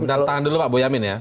sebentar tangan dulu pak boyamin ya